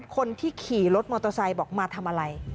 คนที่ขี่รถมอเตอร์ไซค์บอกมาทำอะไร